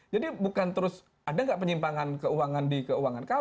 bukan terus ada nggak penyimpangan keuangan di keuangan